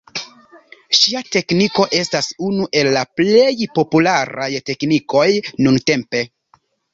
Ŝia tekniko estas unu el la plej popularaj teknikoj nuntempe.